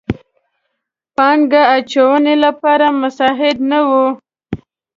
پانګه اچونې لپاره مساعد نه وي.